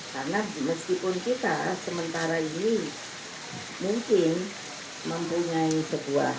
karena meskipun kita sementara ini mungkin mempunyai sebuah